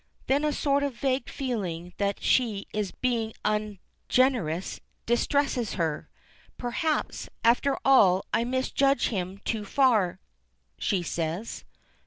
Then a sort of vague feeling that she is being ungenerous distresses her. "Perhaps, after all, I misjudge him too far," she says.